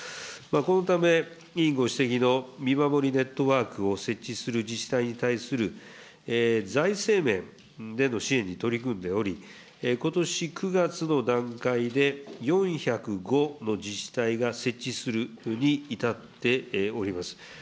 このため委員ご指摘の見守りネットワークを設置する自治体に対する財政面での支援に取り組んでおり、ことし９月の段階で、４０５の自治体が設置するに至っております。